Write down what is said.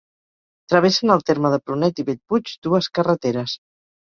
Travessen el terme de Prunet i Bellpuig dues carreteres.